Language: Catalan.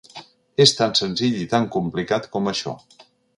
És tan senzill i tan complicat com això.